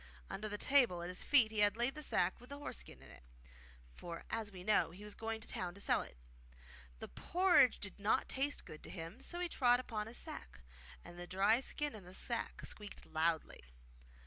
Under the table at his feet he had laid the sack with the horse skin in it, for, as we know, he was going to the town to sell it. The porridge did not taste good to him, so he trod upon his sack, and the dry skin in the sack squeaked loudly.